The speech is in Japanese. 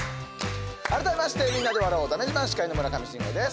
改めましてみんなで笑おうだめ自慢司会の村上信五です。